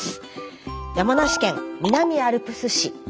山梨県南アルプス市。